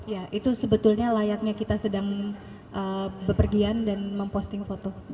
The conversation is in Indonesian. ya itu sebetulnya layaknya kita sedang berpergian dan memposting foto